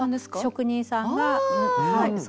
職人さんがはい。